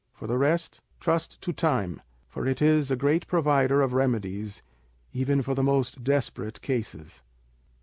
For the rest, trust to time, for it is a great provider of remedies even for the most desperate cases."